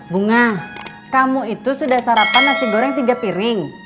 bunga kamu itu sudah sarapan nasi goreng tiga piring